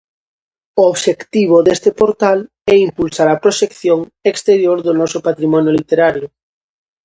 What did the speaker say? O obxectivo deste portal é impulsar a proxección exterior do noso patrimonio literario.